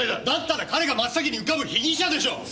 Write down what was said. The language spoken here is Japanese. だったら彼が真っ先に浮かぶ被疑者でしょ！